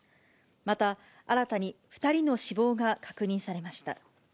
また、新たに２人の死亡が確認されました。